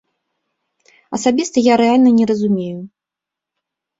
Асабіста я рэальна не разумею.